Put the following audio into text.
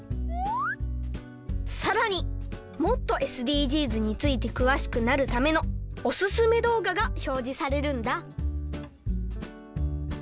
さらにもっとＳＤＧｓについてくわしくなるためのおすすめどうががひょうじされるんだ。